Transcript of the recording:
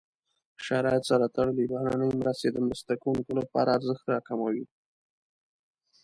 شرایطو سره تړلې بهرنۍ مرستې د مرسته کوونکو لپاره ارزښت راکموي.